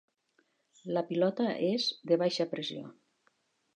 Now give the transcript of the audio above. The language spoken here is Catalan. La pilota és de baixa pressió.